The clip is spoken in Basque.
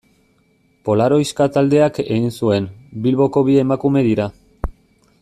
Polaroiska taldeak egin zuen, Bilboko bi emakume dira.